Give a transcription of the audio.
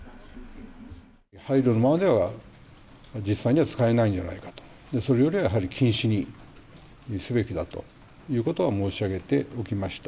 配慮のままでは、実際には使えないんじゃないかと、それよりはやはり禁止にすべきだということは、申し上げておきました。